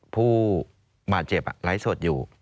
ผู้บาดเจ็บไลฟ์สดอยู่